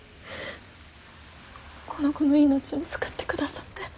この子の命を救ってくださって。